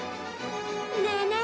ねえねえ